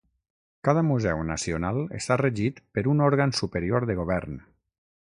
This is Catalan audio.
Cada museu nacional està regit per un òrgan superior de govern.